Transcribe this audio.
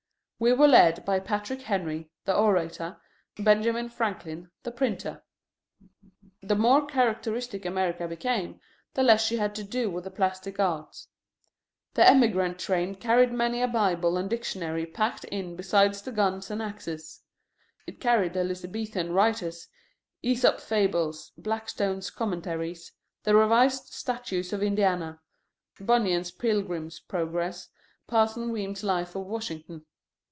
We were led by Patrick Henry, the orator, Benjamin Franklin, the printer. The more characteristic America became, the less she had to do with the plastic arts. The emigrant train carried many a Bible and Dictionary packed in beside the guns and axes. It carried the Elizabethan writers, Æsop's Fables, Blackstone's Commentaries, the revised statutes of Indiana, Bunyan's Pilgrim's Progress, Parson Weems' Life of Washington.